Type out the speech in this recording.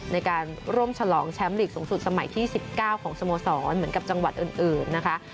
ในการร่วมฉลองแชมป์ลีกสูงสุดสมัยที่๑๙ของสโมสรเหมือนกับจังหวัดอื่นนะคะ